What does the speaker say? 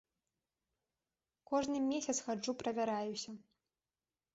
Кожны месяц хаджу правяраюся.